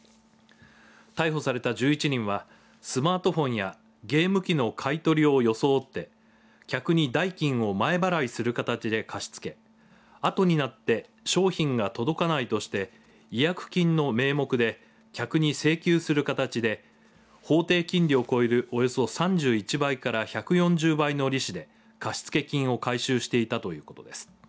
逮捕された１１人はスマートフォンやゲーム機の買い取りを装って客に代金を前払いする形で貸し付けあとになって商品が届かないとして違約金の名目で客に請求する形で法定金利を超えるおよそ３１倍から１４０倍の利子で貸付金を回収していたということです。